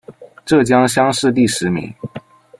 浙江乡试第十名。